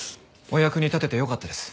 お役に立ててよかったです。